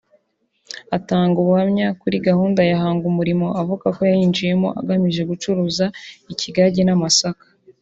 Atanga ubuhamya kuri Gahunda ya Hangumurimo avuga ko yayinjiyemo agamije gucuruza ikigage n’amasaka